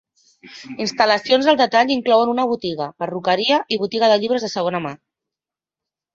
Instal·lacions al detall inclouen una botiga, perruqueria i botiga de llibres de segona mà.